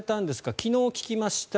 昨日、聞きました。